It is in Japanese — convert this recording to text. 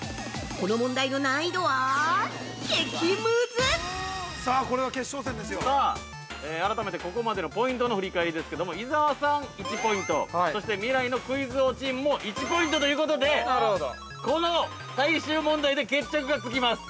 この問題の難易度は激むず◆改めてここまでのポイントの振り返りですけども、伊沢さん、１ポイントそして未来のクイズ王チームも１ポイントということで、この最終問題で決着がつきます。